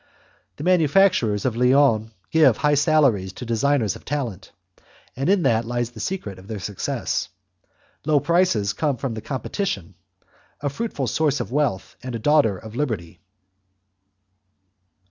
The manufacturers of Lyons give high salaries to designers of talent; in that lies the secret of their success. Low prices come from competition a fruitful source of wealth, and a daughter of Liberty.